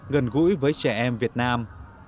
gần gũi với trẻ em việt nam